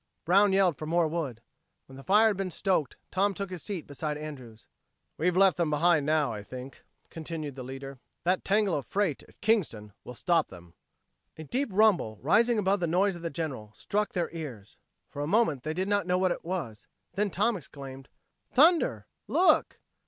Brown yelled for more wood. When the fire had been stoked, Tom took his seat beside Andrews. "We've left them behind now, I think," continued the leader. "That tangle of freight at Kingston will stop them." A deep rumble, rising above the noise of the General struck their ears. For a moment they did not know what it was; then Tom exclaimed, "Thunder! Look!"